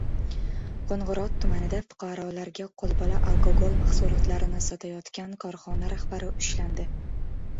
Qo‘ng‘irot tumanida fuqarolarga qo‘lbola alkogol mahsulotlarini sotayotgan korxona rahbari ushlandi